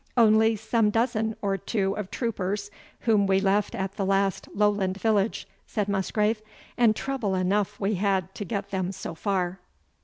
"Only some dozen or two of troopers, whom we left at the last Lowland village," said Musgrave, "and trouble enough we had to get them so far."